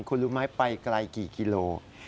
คุณรู้ไหมไปไกลกี่กิโล